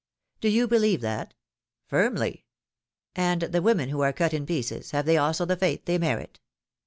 ^^ ^^Do you believe that?^^ Firmly ^^And the women who are cut in pieces — have they also the fate they merit